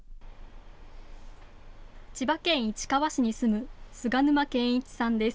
千葉県市川市に住む菅沼建一さんです。